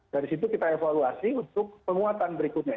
dari situ kita evaluasi untuk penguatan berikutnya